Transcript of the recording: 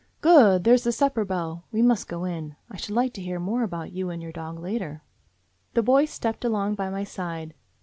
"Good! There's the supper bell. We must go in. I should like to hear more about you and your dog later." The boy stepped along by my side.